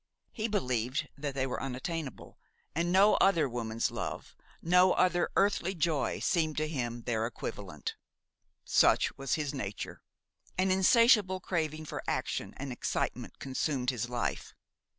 He believed that they were unattainable, and no other woman's love, no other earthly joy seemed to him their equivalent. Such was his nature. An insatiable craving for action and excitement consumed his life.